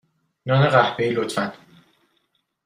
نان قهوه ای، لطفا.